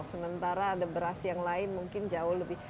sementara ada beras yang lain mungkin jauh lebih